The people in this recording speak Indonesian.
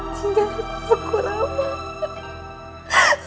tinggal aku ramah